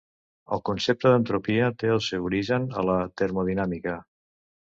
El concepte d'entropia té el seu origen a la Termodinàmica.